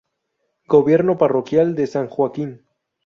Gobierno Parroquial de San Joaquin